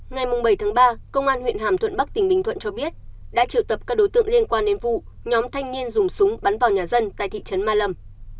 ngày bảy tháng ba công an huyện hàm thuận bắc tỉnh bình thuận cho biết đã triệu tập các đối tượng liên quan đến vụ nhóm thanh niên dùng súng bắn vào nhà dân tại thị trấn ma lâm